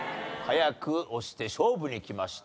早く押して勝負にいきました。